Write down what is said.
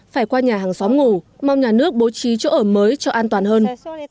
phải qua nhà hàng xóm ngủ mong nhà nước bố trí chỗ ở mới cho an toàn hơn